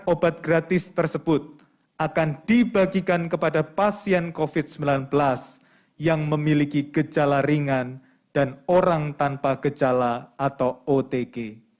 obat gratis tersebut akan dibagikan kepada pasien covid sembilan belas yang memiliki gejala ringan dan orang tanpa gejala atau otg